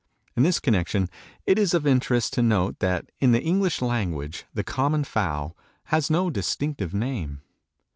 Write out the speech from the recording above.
In this connection it is of interest to note that in the English language the common fowl has no distinctive name.